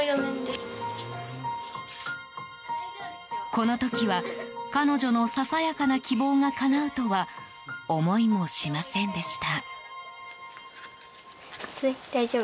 この時は、彼女のささやかな希望がかなうとは思いもしませんでした。